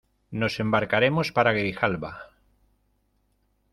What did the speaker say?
nos embarcaremos para Grijalba: